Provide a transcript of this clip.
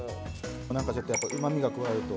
なんか、ちょっとうまみが加わると。